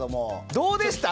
どうでした？